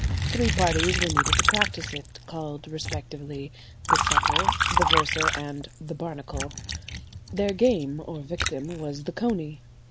Three parties were needed to practise it, called respectively the "setter," the "verser," and the "barnacle;" their game, or victim, was the "coney."